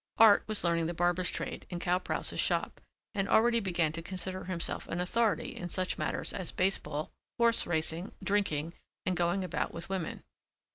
Art was learning the barber's trade in Cal Prouse's shop and already began to consider himself an authority in such matters as baseball, horse racing, drinking, and going about with women.